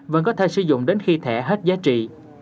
vẫn có thể sử dụng đến khi thẻ hết giá trị